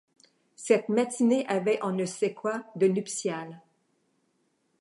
Cette matinée avait on ne sait quoi de nuptial.